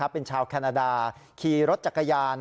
เป็นชาวแคนาดาขี่รถจักรยาน